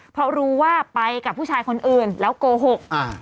เพราะรู้ว่าไปกับผู้ชายคนอื่นแล้วโกหก